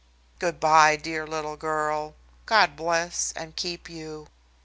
"Good by, dear little girl. God bless and keep you."